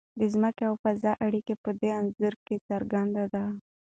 د ځمکې او فضا اړیکه په دې انځور کې څرګنده ده.